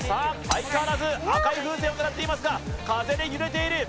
相変わらず赤い風船を狙っていますが風で揺れている。